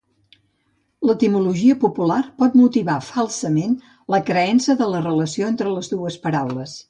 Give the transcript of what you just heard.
L'etimologia popular pot motivar falsament la creença de la relació entre dues paraules.